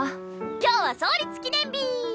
今日は創立記念日。